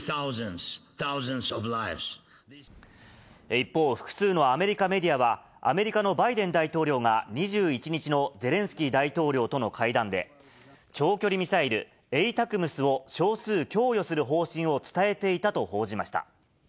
一方、複数のアメリカメディアは、アメリカのバイデン大統領が２１日のゼレンスキー大統領との会談で、長距離ミサイル、エイタクムスを少数供与すると伝えていたと報じました。